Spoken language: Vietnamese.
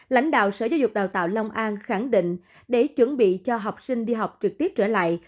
lãnh đạo sở giáo dục đào tạo long an khẳng định để chuẩn bị cho học sinh đi học trực tiếp trở lại